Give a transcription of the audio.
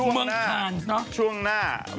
เมืองขาว